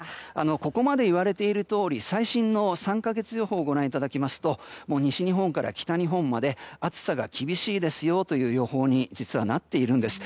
ここまで言われているとおり最新の３か月予報をご覧いただきますと西日本から北日本まで暑さが厳しいですよという予報に実はなっているんです。